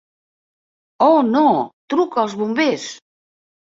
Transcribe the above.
Oh no! Truca als bombers!